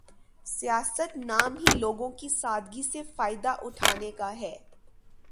سیاست نام ہی لوگوں کی سادگی سے فائدہ اٹھانے کا ہے۔